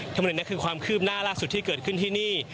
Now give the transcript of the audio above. ทั้งหมดนี้คือความคืบหน้าล่าสุดที่เกิดขึ้นที่นี่